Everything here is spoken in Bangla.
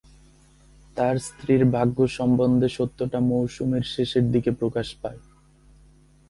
তার স্ত্রীর ভাগ্য সম্বন্ধে সত্যটা মৌসুমের শেষের দিকে প্রকাশ পায়।